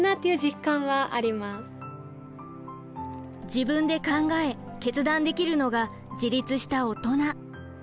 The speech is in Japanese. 自分で考え決断できるのが自立したオトナ。